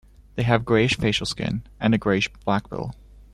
They have greyish facial skin, and a greyish-black bill.